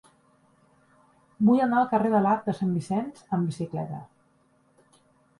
Vull anar al carrer de l'Arc de Sant Vicenç amb bicicleta.